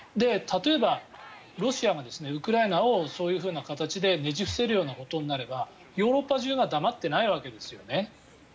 例えば、ロシアがウクライナをそういうふうな形でねじ伏せるようなことになればヨーロッパ中が黙ってないわけですね。